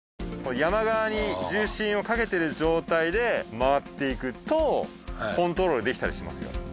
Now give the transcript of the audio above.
山側に重心をかけてる状態で回っていくとコントロールできたりしますよ。